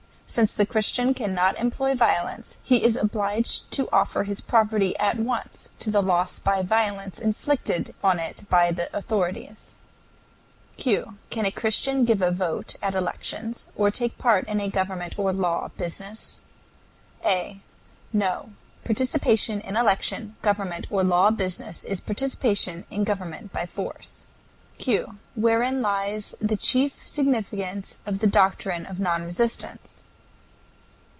Since the Christian cannot employ violence, he is obliged to offer his property at once to the loss by violence inflicted on it by the authorities. Q. Can a Christian give a vote at elections, or take part in government or law business? A. No; participation in election, government, or law business is participation in government by force. Q. Wherein lies the chief significance of the doctrine of non resistance?